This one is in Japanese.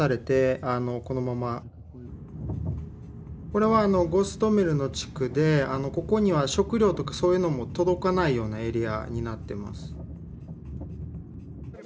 これはあのゴストメルの地区でここには食料とかそういうのも届かないようなエリアになってます。